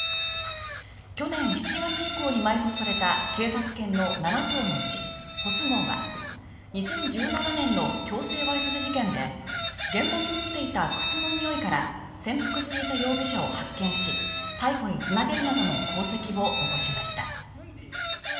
去年７月以降に埋葬された警察犬の７頭のうち「ホス号」は２０１７年の強制わいせつ事件で現場に落ちていた靴の匂いから潜伏していた容疑者を発見し逮捕につなげるなどの功績を残しました。